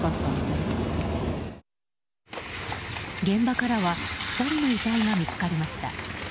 現場からは２人の遺体が見つかりました。